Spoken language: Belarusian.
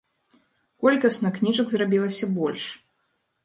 Колькасна кніжак зрабілася больш.